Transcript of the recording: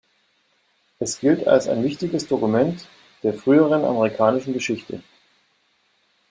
Es gilt als ein wichtiges Dokument der frühen amerikanischen Geschichte.